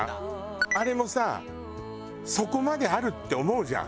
あれもさ底まであるって思うじゃん。